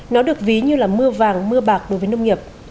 nó được ví như là mưa vàng mưa bạc đối với nông nghiệp